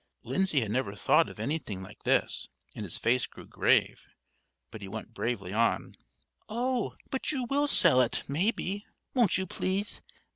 Lindsay had never thought of anything like this, and his face grew grave; but he went bravely on: "Oh! but you will sell it, maybe. Won't you, please?